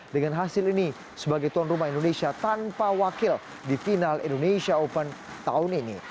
dengan hasil ini sebagai tuan rumah indonesia tanpa wakil di final indonesia open tahun ini